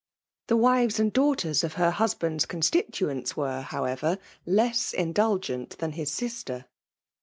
The wives and daughters of her husband's oonstituents were, however, less indulgent than his sister.